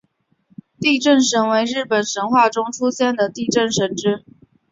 地震神为日本神话中出现的地震神只。